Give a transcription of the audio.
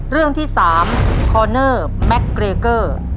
เรื่องที่๓คอเนอร์แม็กเกรเกอร์